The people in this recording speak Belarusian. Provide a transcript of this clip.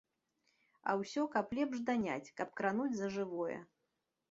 А ўсё, каб лепш даняць, каб крануць за жывое.